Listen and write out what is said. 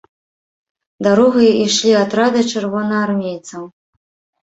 Дарогай ішлі атрады чырвонаармейцаў.